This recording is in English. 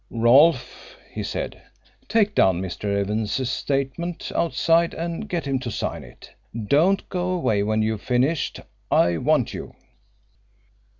"Rolfe," he said, "take down Mr. Evans's statement outside and get him to sign it. Don't go away when you've finished. I want you."